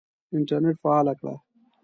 انټرنېټ فعاله کړه !